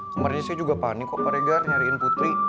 kemarin saya juga panik kok pak regar nyariin putri